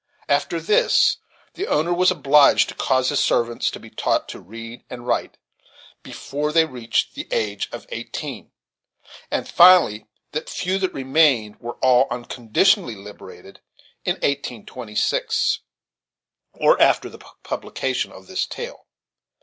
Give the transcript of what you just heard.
After this the owner was obliged to cause his servants to be taught to read and write before they reached the age of eighteen, and, finally, the few that remained were all unconditionally liberated in 1826, or after the publication of this tale.